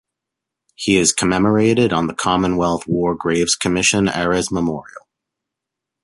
He is commemorated on the Commonwealth War Graves Commission Arras Memorial.